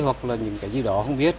hoặc là những cái gì đó không biết